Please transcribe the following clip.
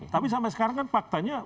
tapi sampai sekarang kan faktanya